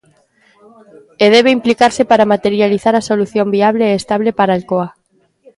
E debe implicarse para materializar a solución viable e estable para Alcoa.